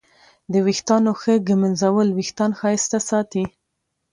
د ویښتانو ښه ږمنځول وېښتان ښایسته ساتي.